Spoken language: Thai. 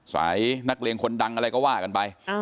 สายนักเลงคนดังอะไรก็ว่ากันไป